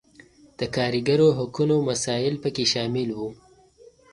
د کارګرو حقونو مسایل پکې شامل وو.